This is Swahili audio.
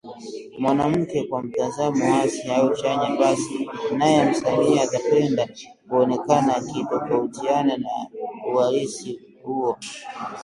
mwanamke kwa mtazamo hasi au chanya basi naye msanii hatapenda kuonekana akitofautiana na uhalisi huo